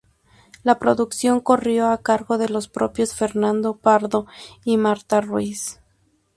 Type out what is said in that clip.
La producción corrió a cargo de los propios Fernando Pardo y Marta Ruiz.